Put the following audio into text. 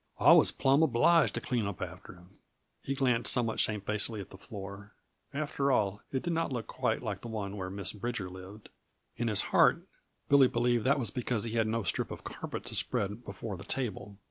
"I was plumb obliged to clean up after him." He glanced somewhat shamefacedly at the floor. After all, it did not look quite like the one where Miss Bridger lived; in his heart Billy believed that was because he had no strip of carpet to spread before the table.